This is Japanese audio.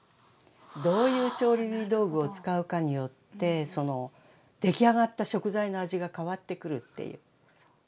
どういう調理道具を使うかによって出来上がった食材の味が変わってくるっていう。